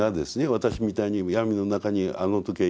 私みたいに闇の中にあの時はいたわけです。